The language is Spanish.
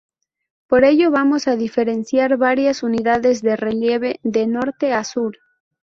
Por ello vamos a diferenciar varias unidades de relieve de norte a sur.